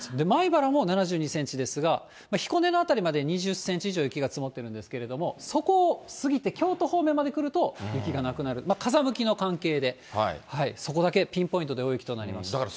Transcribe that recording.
米原も７２センチですが、彦根の辺りまで２０センチ以上、雪が積もっているんですけれども、そこを過ぎて、京都方面まで来ると、雪がなくなる、風向きの関係で、そこだけピンポイントで大雪となりました。